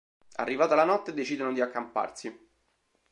Arrivata la notte decidono di accamparsi.